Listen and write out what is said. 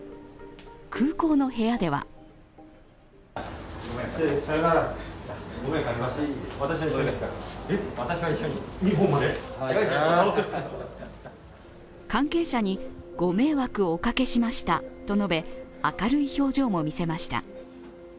空港の部屋では関係者に、ご迷惑をおかけしましたと述べ、明るい表情も見せました。